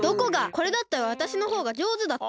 これだったらわたしのほうがじょうずだって！